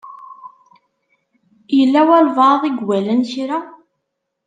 Yella walebɛaḍ i iwalan kra?